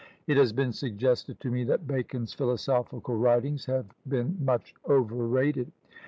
It has been suggested to me that Bacon's philosophical writings have been much overrated.